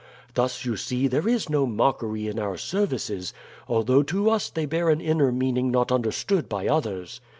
Thus, you see, there is no mockery in our services, although to us they bear an inner meaning not understood by others.